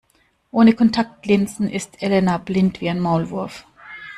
Ohne Kontaktlinsen ist Elena blind wie ein Maulwurf.